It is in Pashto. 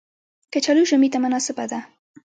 کچالو ژمي ته مناسبه ده